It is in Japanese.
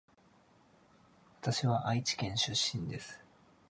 わたしは愛知県出身です